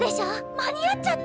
間に合っちゃった！